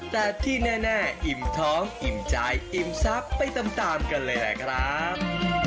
แต่ที่แน่อิ่มท้องอิ่มใจอิ่มซับไปตามกันเลยแหละครับ